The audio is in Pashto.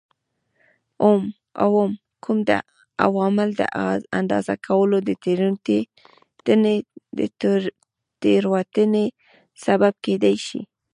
اووم: کوم عوامل د اندازه کولو د تېروتنې سبب کېدای شي؟